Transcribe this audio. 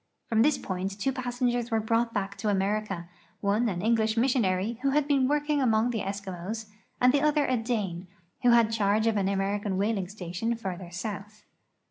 From this point two passengers were brought back to America, one an English mis sionary, who had been working among the Eskimos, and the other a Dane, who had charge of an American whaling station farther south.